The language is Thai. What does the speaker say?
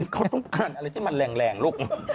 เขาต้องการอะไรที่มันแรงลูก